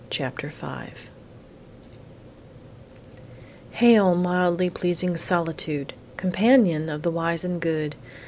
CHAPTER V Hail, mildly pleasing Solitude! Companion of the wise and good!